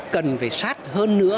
cần phải sát hơn nữa